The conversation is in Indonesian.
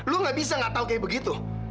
lo gak bisa gak tau kayak begitu